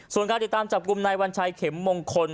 ส่วนการติดตามจับกลุ่มนายวัญชัยเข็มมงคล